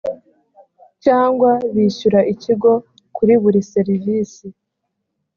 cyangwa bishyura ikigo kuri buri serivisi